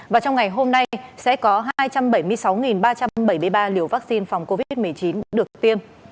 và trong ngày hôm nay sẽ có hai trăm bảy mươi sáu ba trăm bảy mươi ba liều vaccine phòng covid một mươi chín được tiêm